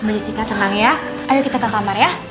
mbak jessy tenang ya ayo kita ke kamar ya